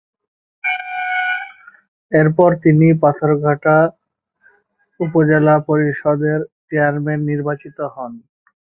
এরপর তিনি পাথরঘাটা উপজেলা পরিষদের চেয়ারম্যান নির্বাচিত হন।